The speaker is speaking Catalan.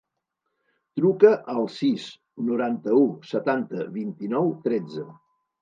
Truca al sis, noranta-u, setanta, vint-i-nou, tretze.